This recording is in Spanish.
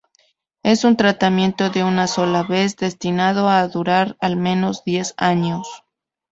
Es un tratamiento de una sola vez destinado a durar al menos diez años.